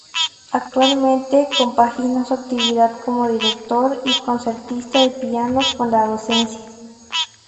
Actualmente compagina su actividad como Director y Concertista de piano con la docencia.